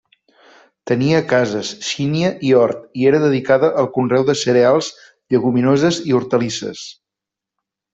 Tenia cases, sínia i hort i era dedicada al conreu de cereals, lleguminoses i hortalisses.